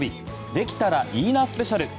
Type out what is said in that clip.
できたらいいなスペシャル」。